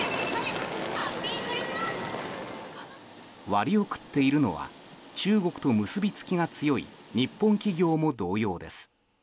割を食っているのは中国と結びつきが強い日本企業も同様です。